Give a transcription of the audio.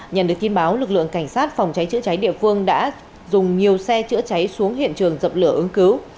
nhận được tin báo lực lượng cảnh sát phòng cháy chữa cháy địa phương đã dùng nhiều xe chữa cháy xuống hiện trường dập lửa ứng cứu